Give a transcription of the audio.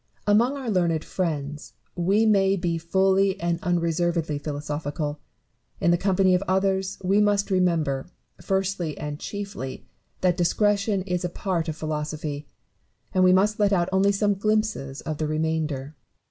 Among our learned friends, we may be fully and unreservedly philosophical ; in the company of others we must remember, first and chiefly, that discretion is a part of philosophy, and we must let out only some glimpses of the remainder.